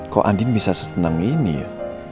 kok andien bisa sesenang ini ya